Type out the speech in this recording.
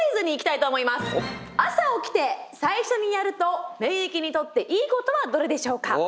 朝起きて最初にやると免疫にとっていいことはどれでしょうか？